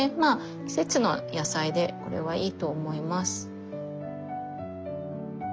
季節の野菜でこれはいいと思います。